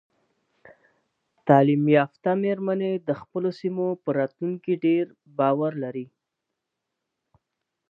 تعلیم یافته میرمنې د خپلو سیمو په راتلونکي ډیر باور لري.